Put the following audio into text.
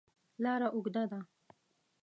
لاره اوږده ده.